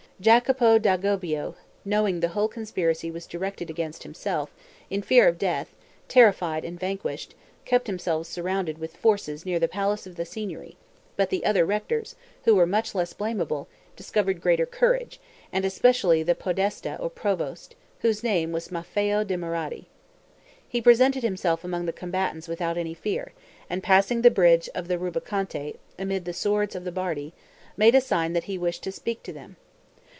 Jacopo d'Agobbio, knowing the whole conspiracy was directed against himself, in fear of death, terrified and vanquished, kept himself surrounded with forces near the palace of the Signory; but the other rectors, who were much less blamable, discovered greater courage, and especially the podesta or provost, whose name was Maffeo da Marradi. He presented himself among the combatants without any fear, and passing the bridge of the Rubaconte amid the swords of the Bardi, made a sign that he wished to speak to them.